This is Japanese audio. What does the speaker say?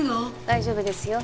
大丈夫ですよ。